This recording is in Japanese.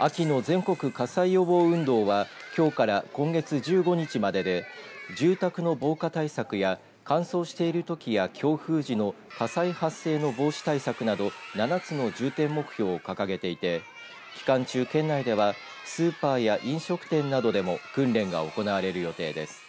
秋の全国火災予防運動はきょうから今月１５日までで住宅の防火対策や乾燥しているときや強風時の火災発生の防止対策など７つの重点目標を掲げていて期間中、県内ではスーパーや飲食店などでも訓練が行われる予定です。